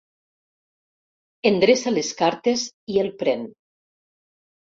Endreça les cartes i el pren.